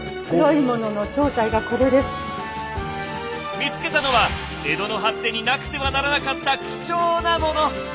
見つけたのは江戸の発展になくてはならなかった貴重なモノ！